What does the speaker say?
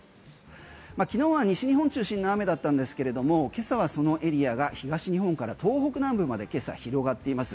昨日は西日本中心の雨だったんですけれども今朝はそのエリアが東日本から東北南部まで今朝、広がっています。